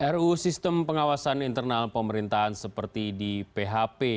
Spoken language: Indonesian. ruu sistem pengawasan internal pemerintahan seperti di php